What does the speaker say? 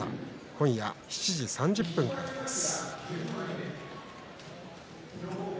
今夜７時３０分からです。